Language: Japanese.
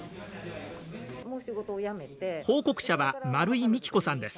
報告者は圓井美貴子さんです。